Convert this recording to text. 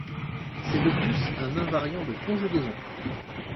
C'est de plus un invariant de conjugaison.